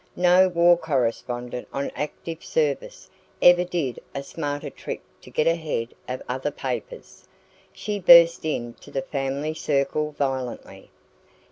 No war correspondent on active service ever did a smarter trick to get ahead of other papers. She burst into the family circle violently.